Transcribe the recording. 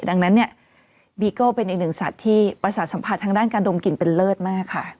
ดังนั้นเนี่ยบีโก้เป็นอีกหนึ่งสัตว์ที่ประสาทสัมผัสทางด้านการดมกลิ่นเป็นเลิศมากค่ะ